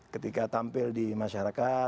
ketika tampil di masyarakat